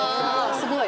すごい。